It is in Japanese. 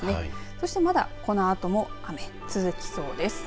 そしてまだこのあとも雨続きそうです。